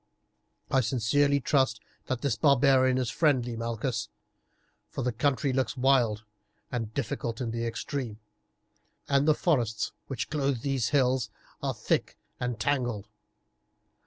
"I sincerely trust that this barbarian is friendly, Malchus, for the country looks wild and difficult in the extreme, and the forests which clothe these hills are thick and tangled.